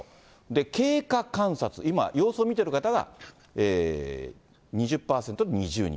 経過観察、今、様子を見てる方が２０％で２０人。